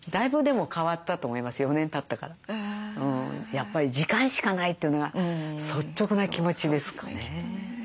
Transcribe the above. やっぱり時間しかないというのが率直な気持ちですかね。